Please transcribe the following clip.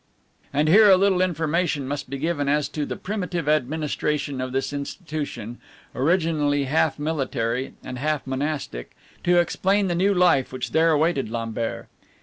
And here a little information must be given as to the primitive administration of this institution, originally half military and half monastic, to explain the new life which there awaited Lambert.